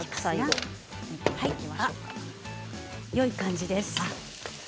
いい感じですね。